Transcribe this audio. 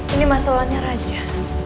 ini masalahnya raja